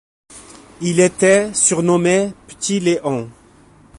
Il était surnommé P'tit Léon.